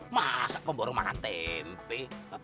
masa pemborong makan tempe